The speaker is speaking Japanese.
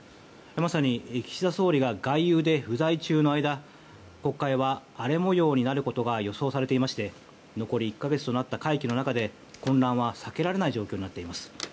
まさに岸田総理が外遊で不在中の間国会は荒れ模様になることが予想されていまして残り１か月となった会期の中で混乱は避けられない状況になっています。